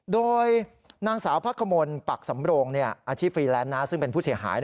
โดยนางสาวพักขมลปักสำโรงอาชีพฟรีแลนซ์ซึ่งเป็นผู้เสียหาย